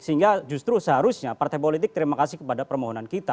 sehingga justru seharusnya partai politik terima kasih kepada permohonan kita